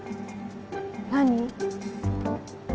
何？